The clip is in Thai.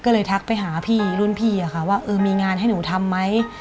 ก็เลยทักไปหาพี่รุ่นพี่อะค่ะว่าเออมีงานให้หนูทำไหม